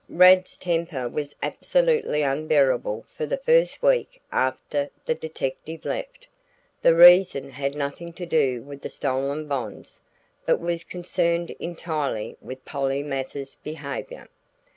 Rad's temper was absolutely unbearable for the first week after the detective left. The reason had nothing to do with the stolen bonds, but was concerned entirely with Polly Mathers's behavior.